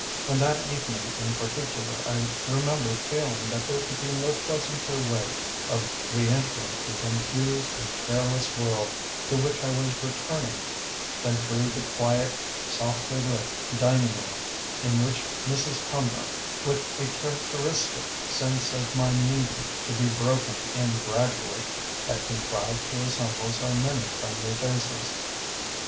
And that evening in particular I remember feeling that there could be no pleasanter way of re entering the confused and careless world to which I was returning than through the quiet softly lit diningroom in which Mrs. Cumnor, with a characteristic sense of my needing to be broken in gradually, had contrived to assemble so many friendly faces.